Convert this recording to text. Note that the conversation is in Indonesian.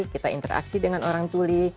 kita interaksi dengan orang tuli